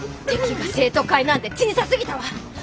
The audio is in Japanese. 敵が生徒会なんて小さすぎたわ。